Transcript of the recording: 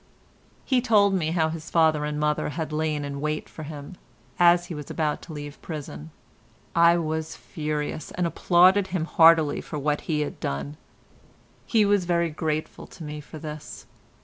He told me how his father and mother had lain in wait for him, as he was about to leave prison. I was furious, and applauded him heartily for what he had done. He was very grateful to me for this.